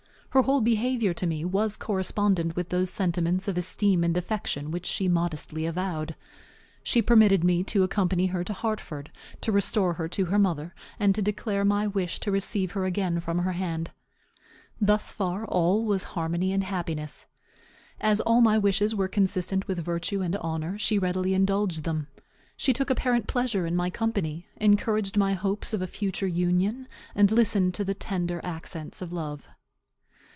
Her whole behavior to me was correspondent with those sentiments of esteem and affection which she modestly avowed. She permitted me to accompany her to Hartford, to restore her to her mother, and to declare my wish to receive her again from her hand. Thus far all was harmony and happiness. As all my wishes were consistent with virtue and honor, she readily indulged them. She took apparent pleasure in my company, encouraged my hopes of a future union, and listened to the tender accents of love.